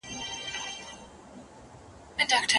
ړوند سړی د ږیري سره ډېري مڼې خوري.